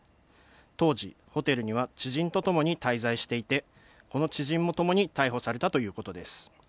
当時、ホテルには知人とともに滞在していて、この知人もともに逮捕されたということです。